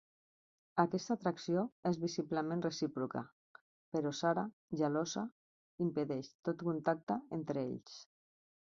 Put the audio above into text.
Aquesta atracció és visiblement recíproca, però Sara, gelosa, impedeix tot contacte entre ells.